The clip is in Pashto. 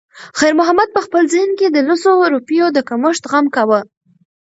خیر محمد په خپل ذهن کې د لسو روپیو د کمښت غم کاوه.